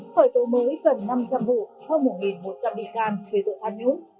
khởi tố mới gần năm trăm linh hộ hơn một một trăm linh bị can về đội tham nhũng